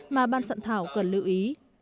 mà ban soạn thảo cần lưu ý